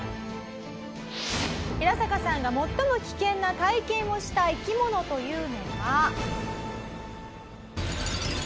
「ヒラサカさんが最も危険な体験をした生き物というのが」